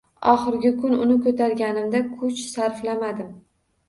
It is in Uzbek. Oxirgi kun uni ko‘targanimda kuch sarflamadim